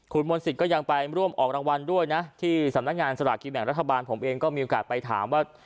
คุณมนต์สิทธิ์ก็ยังไปร่วมออกรางวัลด้วยนะที่สำนักงานสลากกินแบ่งรัฐบาลผมเองก็มีโอกาสไปถามว่า